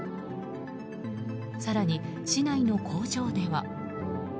更に、市内の工場では。